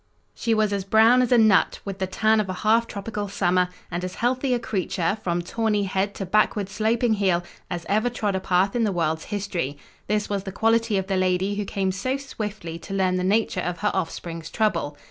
She was as brown as a nut, with the tan of a half tropical summer, and as healthy a creature, from tawny head to backward sloping heel, as ever trod a path in the world's history. This was the quality of the lady who came so swiftly to learn the nature of her offspring's trouble.